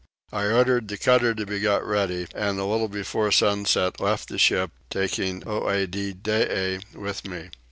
I ordered the cutter to be got ready, and a little before sunset left the ship, taking Oedidee with me.